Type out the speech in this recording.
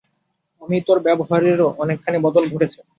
অমিতর ব্যবহারেরও অনেকখানি বদল ঘটেছে।